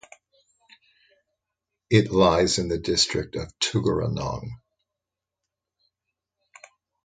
It lies in the district of Tuggeranong.